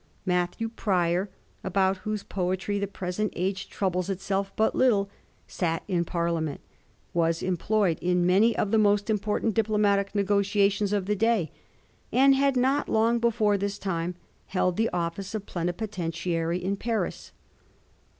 Mat thew Prior, about whose poetry the present age troubles itself but little, sat in Parliament, was employed in many of the most important diplo matic negotiations of the day, and had not long before this time held the office of Plenipotentiary in Paris.